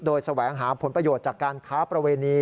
โดยแสวงหาผลประโยชน์จากการค้าประเวณี